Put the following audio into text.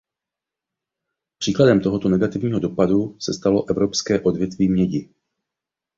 Příkladem tohoto negativního dopadu se stalo evropské odvětví mědi.